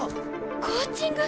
コーチング！